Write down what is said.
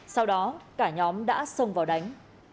sau đó cả nhóm đã xông vào đánh